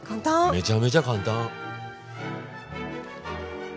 めちゃめちゃ簡単。